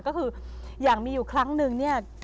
ก็คืออย่างมีอยู่ครั้งหนึ่ง